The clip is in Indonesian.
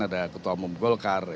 ada ketua umum golkar